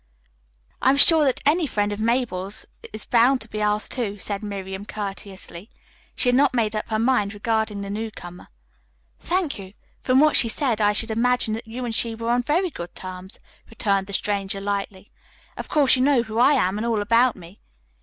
"I am sure that any friend of Mabel's is bound to be ours also," said Miriam courteously. She had not made up her mind regarding the newcomer. "Thank you. From what she said I should imagine that you and she were on very good terms," returned the stranger lightly. "Of course you know who I am and all about me."